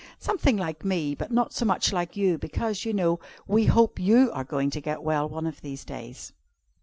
"Something like me; but not so much like you, because, you know, we hope you are going to get well one of these days.